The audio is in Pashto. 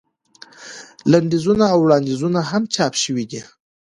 لنډیزونه او وړاندیزونه هم چاپ شوي دي.